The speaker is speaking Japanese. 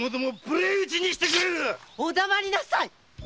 お黙りなさい！